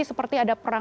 seperti ada perang